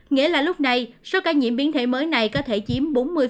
nghĩa là lúc này số ca nhiễm biến thể mới này có thể chiếm bốn mươi